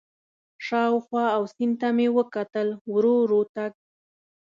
شاوخوا او سیند ته مې وکتل، ورو ورو تګ.